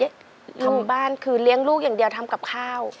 ทำบ้านคือเลี้ยงลูกอย่างเดียวทำกับข้าว